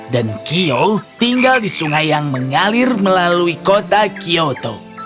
dan kiyo tinggal di sungai yang mengalir melalui kota kyoto